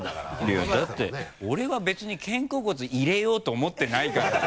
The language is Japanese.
いやだって俺は別に肩甲骨入れようと思ってないからさ。